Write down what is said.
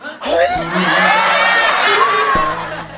เห้ย